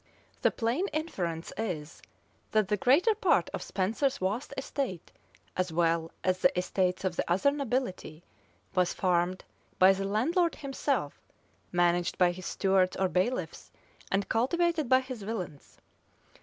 The plain inference is, that the greater part of Spenser's vast estate, as well as the estates of the other nobility, was farmed by the landlord himself, managed by his stewards or bailiffs, and cultivated by his villains.